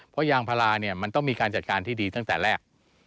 เพราะยางพาราเนี่ยมันต้องมีการจัดการที่ดีตั้งแต่แรก